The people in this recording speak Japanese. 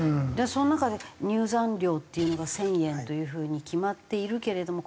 その中で入山料っていうのが１０００円という風に決まっているけれどもこれも任意で？